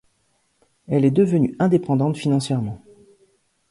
Elle est devenue indépendante financièrement.